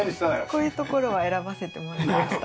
こういうところは選ばせてもらいました。